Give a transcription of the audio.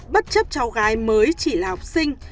một cháu gái mới chỉ là học sinh